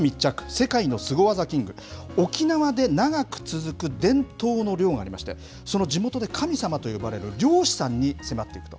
世界の凄ワザキング、沖縄で長く続く伝統の漁がありまして、その地元で神様と呼ばれる漁師さんに迫っていくと。